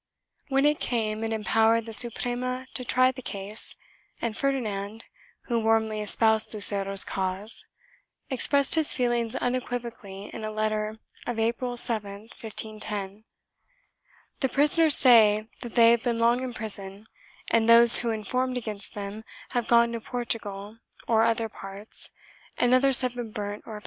2 When it came, it empowered the Suprema to try the case and Ferdinand, who warmly espoused Lucero's cause, expressed his feelings unequivocally in a letter of April 7, 1510 — "the prisoners say that they have been long in prison and those who informed against them have gone to Portugal or other parts, and others have been burnt or penanced 1 Archive de Simancas, Inquisicion, Libro 3, fol.